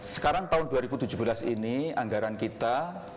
sekarang tahun dua ribu tujuh belas ini anggaran kita